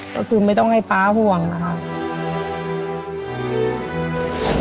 ก็คือไม่ต้องให้ป๊าห่วงนะครับ